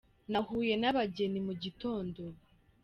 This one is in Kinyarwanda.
Nahuye na bageni mugitondo.